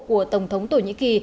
của tổng thống thổ nhĩ kỳ